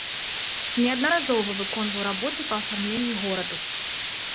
Неаднаразова выконваў работы па афармленні гораду.